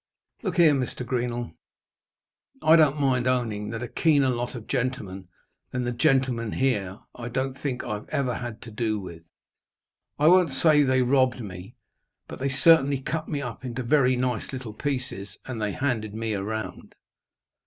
Look here, Mr. Greenall, I don't mind owning that a keener lot of gentlemen than the gentlemen here I don't think I ever had to do with. I won't say they robbed me, but they certainly cut me up into very nice little pieces, and they handed me round.